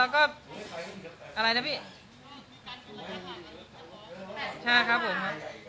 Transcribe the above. ใช่ครับผม